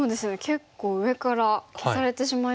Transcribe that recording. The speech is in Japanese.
結構上から消されてしまいましたね。